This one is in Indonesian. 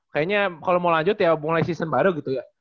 kayaknya kalau mau lanjut ya mulai season baru gitu ya